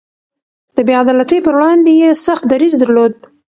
د بې عدالتۍ پر وړاندې يې سخت دريځ درلود.